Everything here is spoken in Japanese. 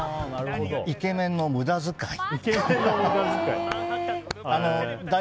イケメンの無駄遣い。